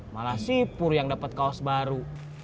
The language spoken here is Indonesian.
malah sipur yang dapat kaos baru